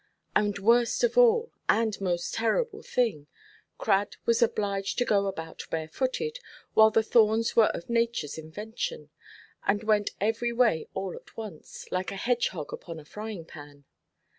And worst of all and most terrible thing, Crad was obliged to go about barefooted, while the thorns were of natureʼs invention, and went every way all at once, like a hedgehog upon a frying–pan.